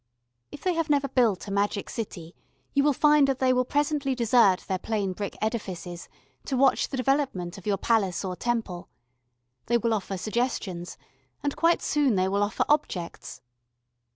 If they have never built a magic city you will find that they will presently desert their plain brick edifices to watch the development of your palace or temple. They will offer suggestions, and quite soon they will offer objects.